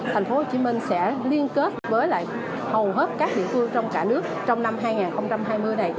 thành phố hồ chí minh sẽ liên kết với hầu hết các địa phương trong cả nước trong năm hai nghìn hai mươi này